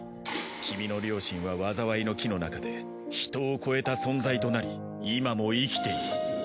君の両親は災いの樹の中で人を超えた存在となり今も生きている。